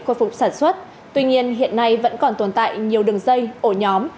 khôi phục sản xuất tuy nhiên hiện nay vẫn còn tồn tại nhiều đường dây ổ nhóm